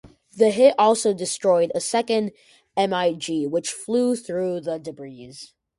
The hit also destroyed a second MiG which flew through the debris.